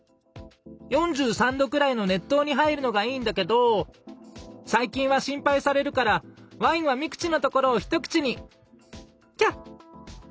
４３度くらいの熱湯に入るのがいいんだけど最近は心配されるからワインは三口のところを一口にキャッ！」。